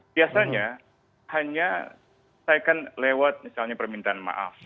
biasanya hanya saya kan lewat misalnya permintaan maaf